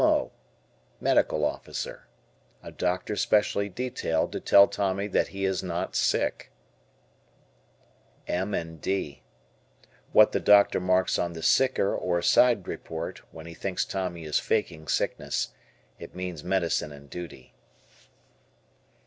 M.O. Medical Officer. A doctor specially detailed to tell Tommy that he is not sick. "M. and D." What the doctor marks on the "sicker" or side report when he thinks Tommy is faking sickness. It means medicine and duty.